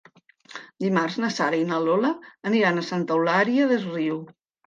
Dimarts na Sara i na Lola aniran a Santa Eulària des Riu.